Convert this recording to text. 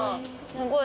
すごい。